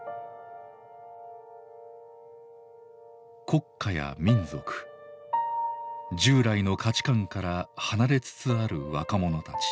国家や民族従来の価値観から離れつつある若者たち。